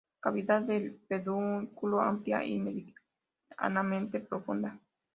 Cavidad del pedúnculo: Amplia y medianamente profunda.